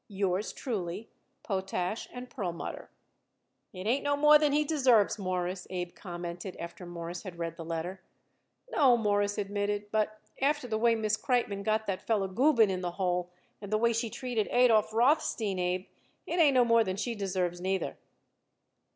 Yours truly, POTASH & PERLMUTTER. "It ain't no more than he deserves, Mawruss," Abe commented after Morris had read the letter. "No," Morris admitted, "but after the way Miss Kreitmann got that feller Gubin in the hole and the way she treated Adolph Rothstein, Abe, it ain't no more than she deserves, neither."